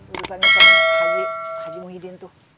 urusan haji muhyiddin tuh